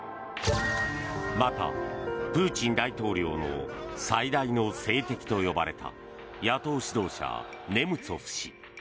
またプーチン大統領の最大の政敵と呼ばれた野党指導者ネムツォフ氏。